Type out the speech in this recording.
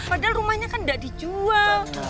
padahal rumahnya kan tidak dijual